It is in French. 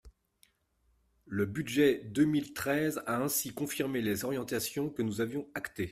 Le budget deux mille treize a ainsi confirmé les orientations que nous avions actées.